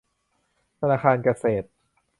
ธนาคารเกษตร